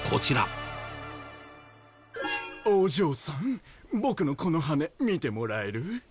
お嬢さん僕のこの羽見てもらえる？